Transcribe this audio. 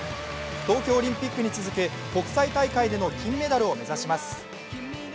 東京オリンピックに続く国際大会での金メダルを目指します。